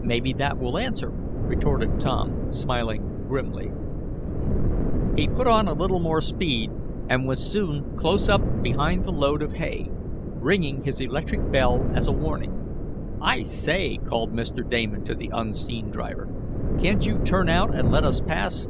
"Maybe that will answer," retorted Tom, smiling grimly. He put on a little more speed, and was soon close up behind the load of hay, ringing his electric bell as a warning. "I say!" called Mr. Damon to the unseen driver, "can't you turn out and let us pass?"